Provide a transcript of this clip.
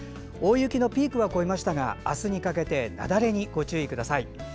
大雪のピークは越えましたがあすにかけて雪崩にご注意ください。